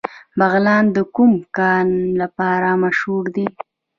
بغلان د کوم کان لپاره مشهور دی؟